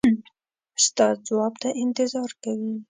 ستا ځواب ته انتظار کوي.